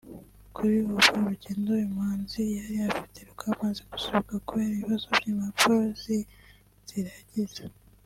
Kuri ubu urugendo uyu muhanzi yari afite rwamaze gusubikwa kubera ibibazo by’impapuro z’inzira yagize